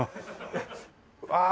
ああ